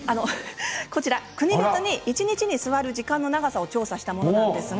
こちらは国別に一日に座る時間の長さを調査したものです。